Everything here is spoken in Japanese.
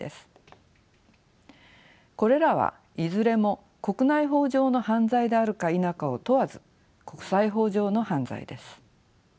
これらはいずれも国内法上の犯罪であるか否かを問わず国際法上の犯罪です。